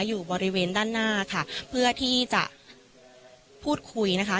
อยู่บริเวณด้านหน้าค่ะเพื่อที่จะพูดคุยนะคะ